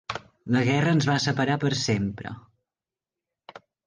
La guerra ens va separar per sempre.